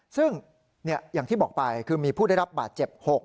ซึ่งอย่างที่บอกไปคือมีผู้ได้รับบาดเจ็บ๖